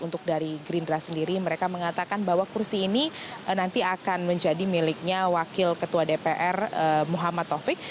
untuk dari gerindra sendiri mereka mengatakan bahwa kursi ini nanti akan menjadi miliknya wakil ketua dpr muhammad taufik